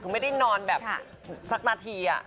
คือไม่ได้นอนแบบสักนาที